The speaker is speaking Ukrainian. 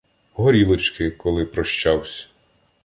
Горілочки, коли прощавсь.